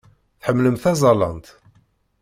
Tḥemmlem talazant?